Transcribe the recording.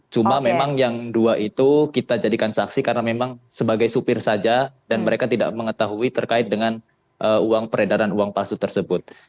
cuma memang yang dua itu kita jadikan saksi karena memang sebagai supir saja dan mereka tidak mengetahui terkait dengan uang peredaran uang palsu tersebut